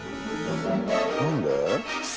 何で？